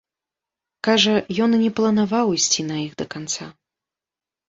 Кажа, ён і не планаваў ісці на іх да канца.